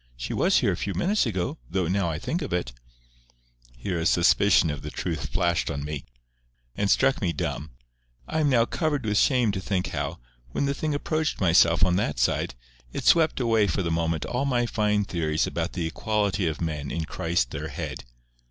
She was here a few minutes ago—though, now I think of it—" Here a suspicion of the truth flashed on me, and struck me dumb. I am now covered with shame to think how, when the thing approached myself on that side, it swept away for the moment all my fine theories about the equality of men in Christ their Head.